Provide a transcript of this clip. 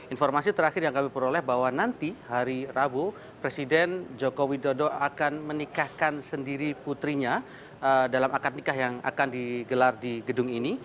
informasi terakhir yang kami peroleh bahwa nanti hari rabu presiden joko widodo akan menikahkan sendiri putrinya dalam akad nikah yang akan digelar di gedung ini